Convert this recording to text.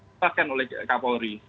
dibuka oleh kapolri